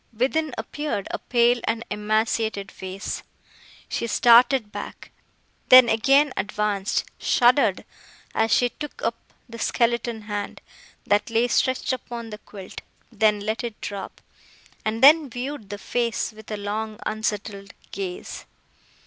Within, appeared a pale and emaciated face. She started back, then again advanced, shuddered as she took up the skeleton hand, that lay stretched upon the quilt; then let it drop, and then viewed the face with a long, unsettled gaze.